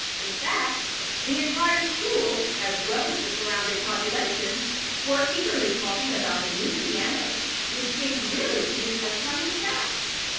In fact, the entire school as well as the surrounding population were eagerly talking about the new piano, which seemed really to be a coming fact.